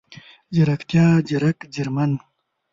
ځيرکتيا، ځیرک، ځیرمن،